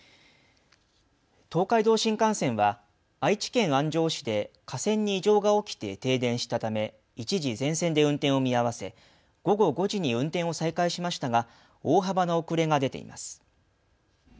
東海道新幹線は愛知県安城市で架線に異常が起きて停電したため一時、全線で運転を見合わせ午後５時に運転を再開しましたが大幅な遅れが出ています。